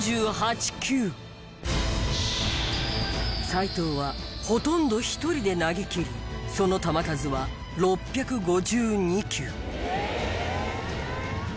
斎藤はほとんど１人で投げきりその球数は６５２球。